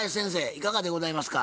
いかがでございますか？